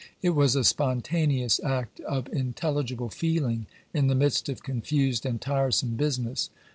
It was a spontaneous act of intelligible feeling in the midst of confused and tiresome business.